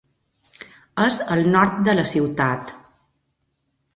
És al nord de la ciutat.